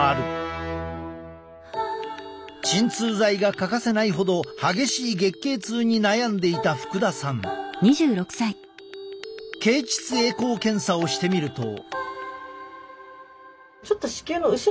鎮痛剤が欠かせないほど激しい月経痛に悩んでいた経ちつエコー検査をしてみると。